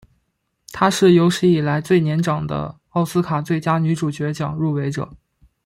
她是有史以来最年长的奥斯卡最佳女主角奖入围者。